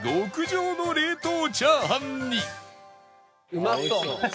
うまそう。